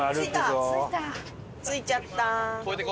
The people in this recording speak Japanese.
着いちゃった。